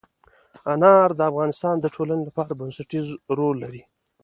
انار د افغانستان د ټولنې لپاره بنسټيز رول لري.